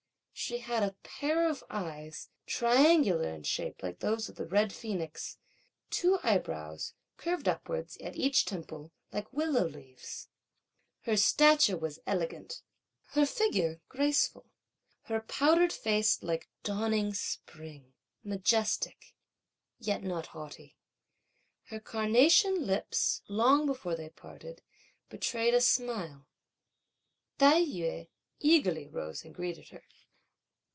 She had a pair of eyes, triangular in shape like those of the red phoenix, two eyebrows, curved upwards at each temple, like willow leaves. Her stature was elegant; her figure graceful; her powdered face like dawning spring, majestic, yet not haughty. Her carnation lips, long before they parted, betrayed a smile. Tai yü eagerly rose and greeted her.